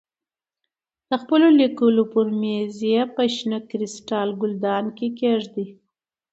د خپلو لیکلو پر مېز یې په شنه کریسټال ګلدان کې کېږدې.